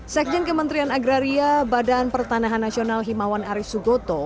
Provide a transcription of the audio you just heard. sekjen kementerian agraria badan pertanahan nasional himawan arisugoto